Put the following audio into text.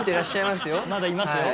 まだいますよ。